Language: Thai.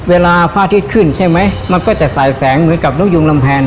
เวลาพระอาทิตย์ขึ้นใช่ไหมมันก็จะสายแสงเหมือนกับนกยุงลำแพง